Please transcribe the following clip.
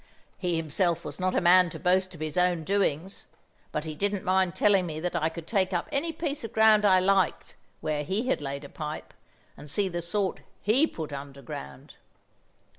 He himself was not a man to boast of his own doings, but he didn't mind telling me that I could take up any piece of ground I liked, where he had laid a pipe, and see the sort he put underground.